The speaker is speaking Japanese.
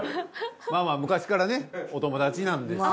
まあまあ昔からねお友達なんですよ。